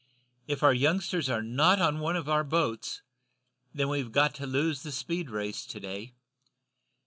"If our youngsters are not on one of our boats, then we've got to lose the speed race to day.